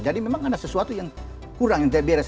jadi memang ada sesuatu yang kurang yang tidak beres